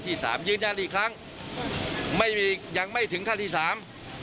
สามยืนยันอีกครั้งไม่มียังไม่ถึงขั้นที่สาม